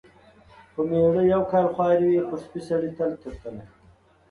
پر مېړه یو کال خواري وي ، پر سپي سړي تل تر تله .